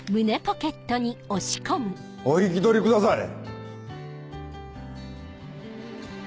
お引き取りください！